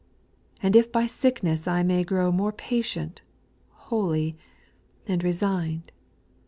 ] 8. ' And if by sickness I may grow More patient, holy, and resigned.